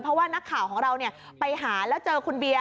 เพราะว่านักข่าวของเราไปหาแล้วเจอคุณเบียร์